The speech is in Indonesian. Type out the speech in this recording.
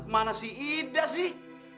mana si ida sih